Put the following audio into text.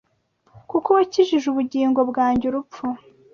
Kuko wakijije ubugingo bwanjye urupfu